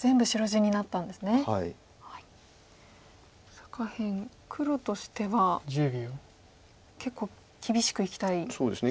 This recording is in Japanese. さあ下辺黒としては結構厳しくいきたいですよね。